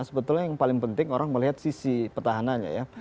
sebetulnya yang paling penting orang melihat sisi petahannya ya